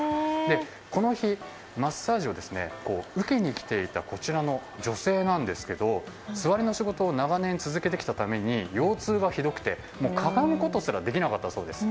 この日マッサージを受けに来ていたこちらの女性ですが座りの仕事を長年続けてきたために腰痛がひどくて、かがむことすらできなかったそうです。